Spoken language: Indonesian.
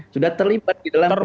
sudah terlibat di dalam